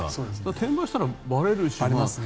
転売したらばれるし。